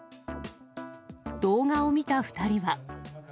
動画を見た２人は。